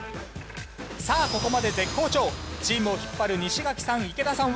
さあここまで絶好調チームを引っ張る西垣さん